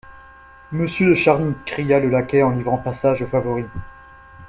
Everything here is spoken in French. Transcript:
Monsieur de Charny ! cria le laquais en livrant passage au favori.